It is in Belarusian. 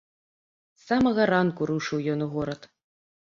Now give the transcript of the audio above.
З самага ранку рушыў ён у горад.